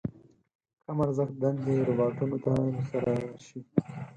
کم ارزښت دندې روباټونو تر سره شي.